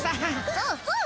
そうそう。